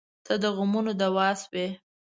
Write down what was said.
• ته د غمونو دوا شوې.